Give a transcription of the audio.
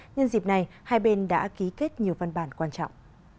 nhân dịp này hai bên đã ký kết nhiều văn bản quan trọng